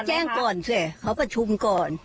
แจ้งก่อนสิเขาประชุมก่อน